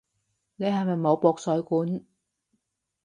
你係咪冇駁水管？